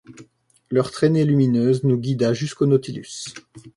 Leur traînée lumineuse nous guida jusqu’au Nautilus.